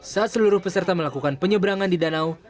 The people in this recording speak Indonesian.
saat seluruh peserta melakukan penyeberangan di danau